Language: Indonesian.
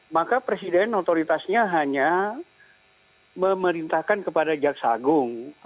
maka presiden otoritasnya hanya memerintahkan kepada jaksagung